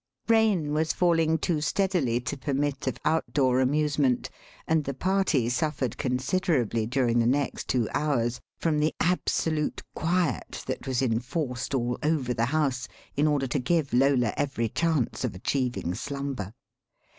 Rain was falling too steadily to permit of outdoor amusement, and the party suffered considerably during the next two hours from the absolute quiet that was enforced all over the house in order to give Lola every chance of achieving slumber.